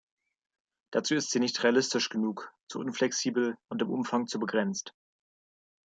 Dazu ist sie nicht realistisch genug, zu unflexibel und im Umfang zu begrenzt.